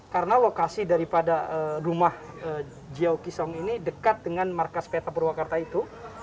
karena lokasi daripada rumah jauh kisong ini dekat dengan markas peta purwakarta itu